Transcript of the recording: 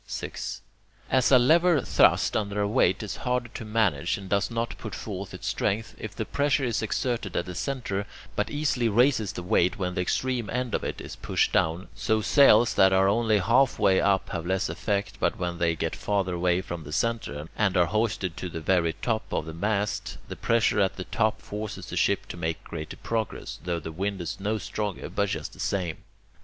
6. As a lever thrust under a weight is harder to manage, and does not put forth its strength, if the pressure is exerted at the centre, but easily raises the weight when the extreme end of it is pushed down, so sails that are only halfway up have less effect, but when they get farther away from the centre, and are hoisted to the very top of the mast, the pressure at the top forces the ship to make greater progress, though the wind is no stronger but just the same.